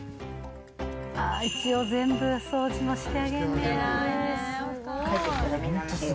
ああ一応全部掃除もしてあげんねや。